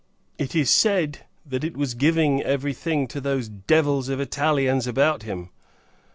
It is said, that it was giving every thing to those devils of Italians about him.